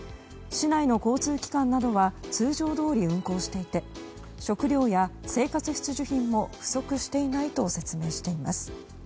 市内の交通機関などは通常どおり運行していて食料や生活必需品も不足していないと説明しています。